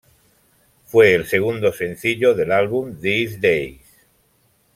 Fue el segundo sencillo del álbum "These Days".